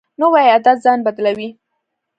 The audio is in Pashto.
نوی عادت ځان بدلوي